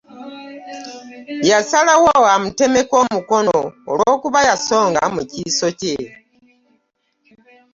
Yasalawo amutemeko omukono olwokuba yasonga mu kiso kye .